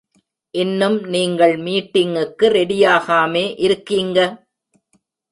இன்னும் நீங்கள் மீட்டிங்குக்கு ரெடியாகாமே இருக்கீங்க?